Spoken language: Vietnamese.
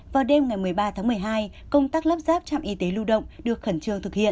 vào đêm ngày một mươi ba tháng một mươi hai công tác lắp ráp trạm y tế lưu động được khẩn trương thực hiện